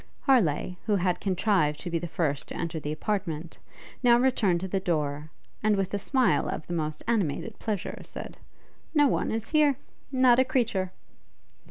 Harleigh, who had contrived to be the first to enter the apartment, now returned to the door, and, with a smile of the most animated pleasure, said, 'No one is here! Not a creature!'